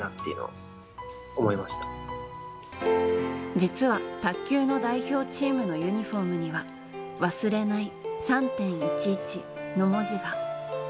実は、卓球の代表チームのユニホームには忘れない、３・１１の文字が。